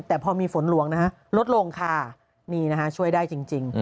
แต่พอมีฝนหลวงลดลงค่าช่วยได้จริง